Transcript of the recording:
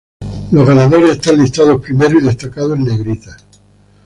Los ganadores están listados primero y destacados en negritas.